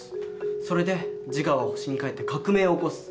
それでジガは星に帰って革命を起こす。